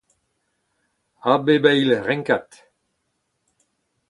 a bep eil renkad